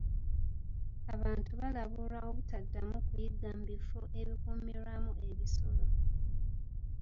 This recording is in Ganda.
Abantu baalabulwa obutaddamu kuyigga mu bifo ebikuumibwamu ebisolo.